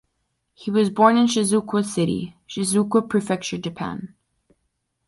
He was born in Shizuoka City, Shizuoka Prefecture, Japan.